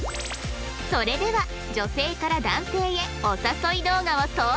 それでは女性から男性へお誘い動画を送信